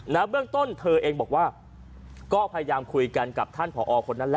เบื้องต้นเธอเองบอกว่าก็พยายามคุยกันกับท่านผอคนนั้นแหละ